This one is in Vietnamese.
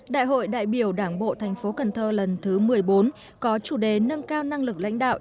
đại hội đại biểu đảng bộ thành phố cần thơ lần thứ một mươi bốn có chủ đề nâng cao năng lực lãnh đạo